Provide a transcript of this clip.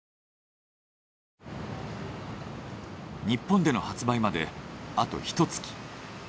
日本での発売まであとひと月。